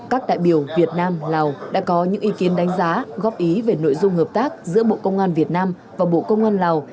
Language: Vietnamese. các đại biểu việt nam lào đã có những ý kiến đánh giá góp ý về nội dung hợp tác giữa bộ công an việt nam và bộ công an lào